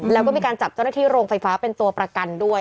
แล้วก็มีการจับเจ้าหน้าที่โรงไฟฟ้าเป็นตัวประกันด้วย